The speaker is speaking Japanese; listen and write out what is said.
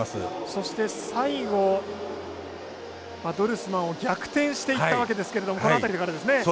そして最後、ドルスマンを逆転していったわけですけれどもこの辺りからですね。